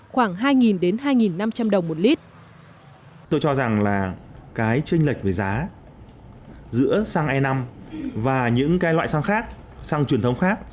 khoảng hai nghìn đến hai nghìn năm trăm linh đồng một lít